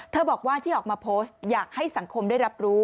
บอกว่าที่ออกมาโพสต์อยากให้สังคมได้รับรู้